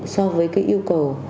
so với yêu cầu